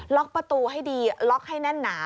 ล็อกประตูให้ดีล็อกให้แน่นหนา